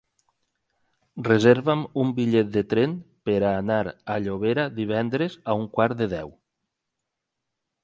Reserva'm un bitllet de tren per anar a Llobera divendres a un quart de deu.